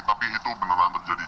tapi itu beneran terjadi